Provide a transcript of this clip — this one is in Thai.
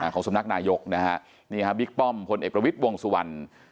ของสำนักนายกนะฮะนี่ฮะบิ๊กป้อมพลเอกประวิทย์วงสุวรรณ